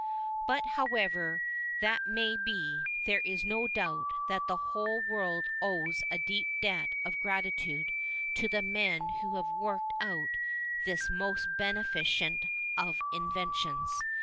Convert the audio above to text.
But, however that may be, there is no doubt that the whole world owes a deep debt of gratitude to the men who have worked out this most beneficent of inventions.